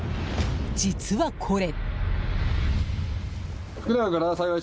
実は、これ。